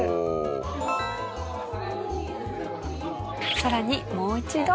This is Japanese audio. さらにもう一度。